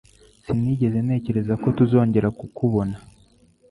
Sinigeze ntekereza ko tuzongera kukubona.